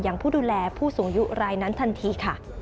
อย่างผู้ดูแลผู้สูงอายุรายนั้นทันที